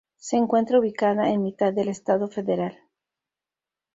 Se encuentra ubicada en mitad del estado federal.